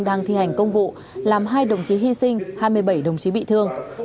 đang thi hành công vụ làm hai đồng chí hy sinh hai mươi bảy đồng chí bị thương